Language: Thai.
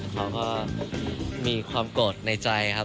เขาก็มีความโกรธในใจครับ